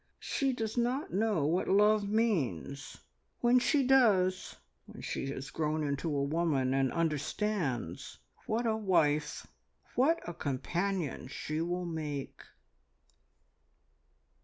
"She does not know what love means. When she does when she has grown into a woman, and understands what a wife, what a companion she will make!"